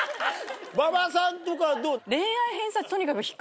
馬場さんとかはどう？